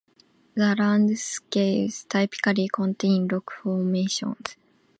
The landscapes typically contain rock formations.